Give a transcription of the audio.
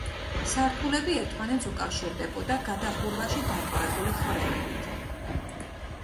სართულები ერთმანეთს უკავშირდებოდა გადახურვაში დატოვებული ხვრელებით.